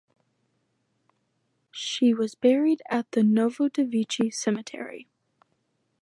She was buried at the Novodevichy Cemetery.